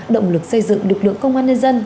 động lực xây dựng lực lượng công an nhân dân